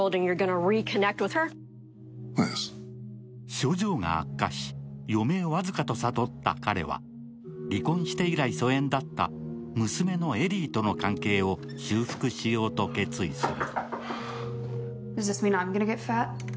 症状が悪化し、余命僅かと悟った彼は、離婚して以来、疎遠だった娘のエリーとの関係を修復しようと決意する。